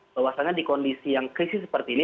bahwasannya di kondisi yang krisis seperti ini